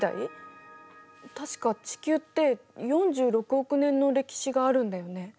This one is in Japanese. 確か地球って４６億年の歴史があるんだよね。